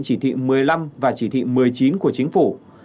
chỉ thị một mươi năm và chỉ thị một mươi chín của chính phủ